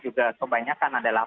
juga kebanyakan adalah